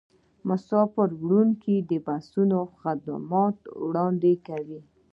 مسافروړونکي بسونه خدمات وړاندې کوي